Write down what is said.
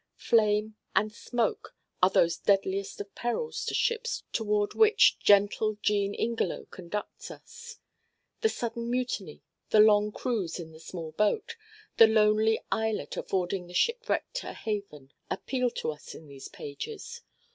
Flame and smoke are those deadliest of perils to ships toward which gentle Jean Ingelow conducts us. The sudden mutiny, the long cruise in the small boat, the lonely islet affording the shipwrecked a haven, appeal to us in these pages.